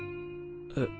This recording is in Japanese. えっ。